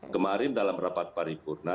kemarin dalam rapat paripurna